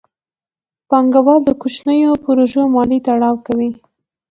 پانګه وال د کوچنیو پروژو مالي ملاتړ کوي.